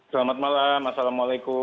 selamat malam assalamualaikum